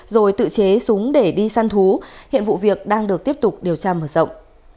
rồi tự chế súng để đi săn thú hiện vụ việc đang được tiếp tục điều tra mở rộng